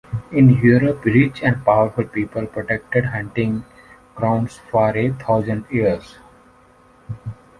In Europe, rich and powerful people protected hunting grounds for a thousand years.